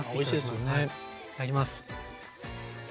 いただきます。